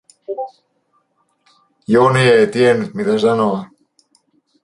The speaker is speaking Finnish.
Joni ei tiennyt mitä sanoa.